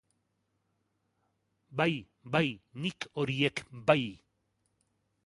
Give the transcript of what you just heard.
Bai, bai, nik horiek bai.